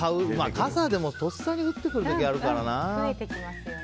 傘はとっさに降ってくる時あるからな。